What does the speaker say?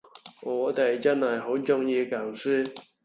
我哋真係好鍾意舊書